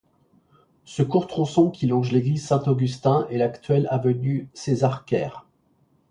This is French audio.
Ce court tronçon qui longe l'église Saint-Augustin est l'actuelle avenue César Caire.